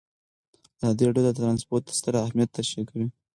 ازادي راډیو د ترانسپورټ ستر اهميت تشریح کړی.